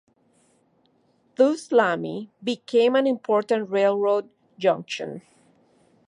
Thus Lamy became an important railroad junction.